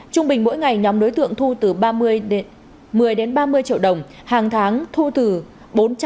trung bình mỗi ngày nhóm đối tượng thu từ một mươi đến ba mươi triệu đồng hàng tháng thu từ bốn trăm linh triệu đồng